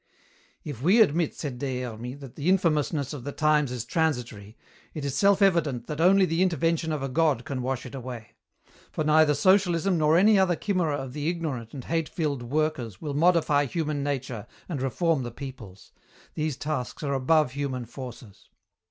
"If we admit," said Des Hermies, "that the infamousness of the times is transitory, it is self evident that only the intervention of a God can wash it away; for neither socialism nor any other chimera of the ignorant and hate filled workers will modify human nature and reform the peoples. These tasks are above human forces."